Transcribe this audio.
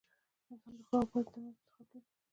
• انسان د ښو او بدو ترمنځ انتخاب لري.